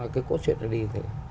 câu chuyện nó đi như thế